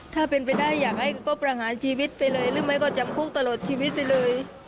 ถ้าเป็นไปได้อยากให้ก็ประหารชีวิตไปเลยหรือไม่ก็จำคุกตลอดชีวิตไปเลย